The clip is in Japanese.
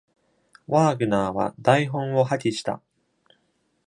ワーグナーは台本を破棄した。